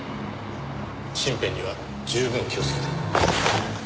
身辺には十分気をつけて。